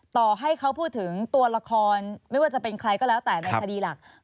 ต่อให้เขาพูดถึงตัวละครไม่ว่าจะเป็นใครก็แล้วแต่ในคดีหลัก